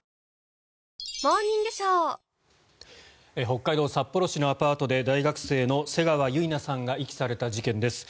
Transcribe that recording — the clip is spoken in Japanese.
北海道札幌市のアパートで大学生の瀬川結菜さんが遺棄された事件です。